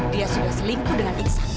dia sudah selingkuh dengan iksan